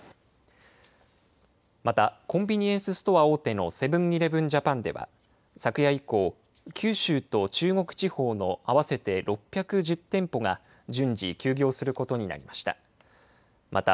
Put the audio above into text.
またコンビニエンスストア大手のセブン−イレブン・ジャパンでは昨夜以降九州と中国地方の合わせて６１０店舗が順次休業することになりました。